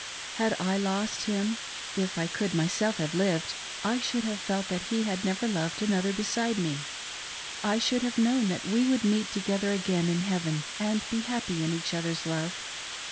Had I lost him — if I could myself have lived — I should have felt that he had never loved another beside me; I should have known that we would meet together again in heaven and be happy in each other's love.